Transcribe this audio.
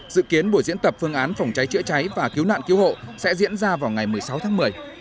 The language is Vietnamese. dự kiến buổi diễn tập phương án phòng cháy chữa cháy và cứu nạn cứu hộ sẽ diễn ra vào ngày một mươi sáu tháng một mươi